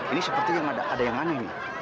ini seperti yang ada yang aneh nih